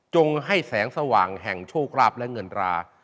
ให้แสงสว่างแห่งโชคราบและเงินรา